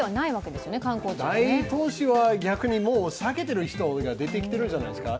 大都市は逆にもう避けている人が出てきているんじゃないですか。